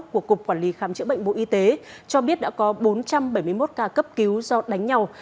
của cục quản lý khám chữa bệnh bộ y tế cho biết đã có bốn trăm bảy mươi một ca cấp cứu do đánh nhau